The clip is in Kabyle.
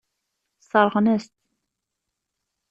Sseṛɣen-as-tt.